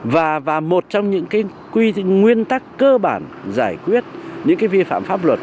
và một trong những cái nguyên tắc cơ bản giải quyết những cái vi phạm pháp luật